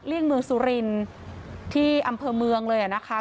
เลี่ยงเมืองสุรินที่อำเภอเมืองเลยนะคะ